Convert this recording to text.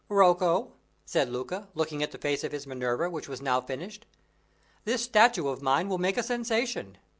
"Rocco," said Luca, looking at the face of his Minerva, which was now finished, "this statue of mine will make a sensation."